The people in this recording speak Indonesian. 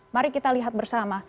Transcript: mari kita lihat bersama